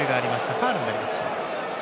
ファウルになります。